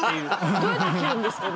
どうやって切るんですかね？